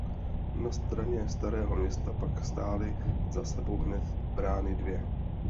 Na straně Starého Města pak stály za sebou hned brány dvě.